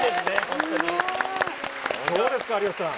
どうですか、有吉さん。